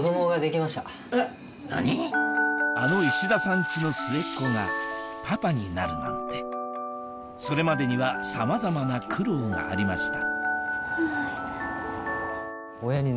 あの石田さんチの末っ子がパパになるなんてそれまでにはさまざまな苦労がありました